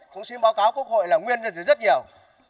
cũng xin báo cáo quốc hội là nguyên nhân từ rất nhiều